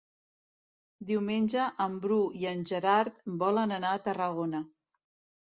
Diumenge en Bru i en Gerard volen anar a Tarragona.